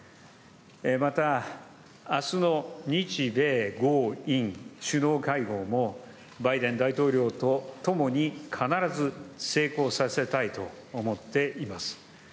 また、あすの日米豪印首脳会合も、バイデン大統領と共に必ず成功させたいと思っています。